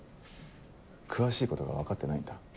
詳しいことが分かってないんだ。